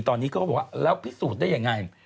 ตอนนี้เขาก็บอกว่าแล้วพิสูจน์ได้ยังไง